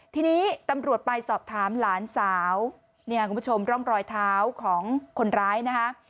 ทีนี้ตำรวจไปสอบถามหลานสาวเนี่ยคุณผู้ชมร่องรอยเท้าของคนร้ายนะคะ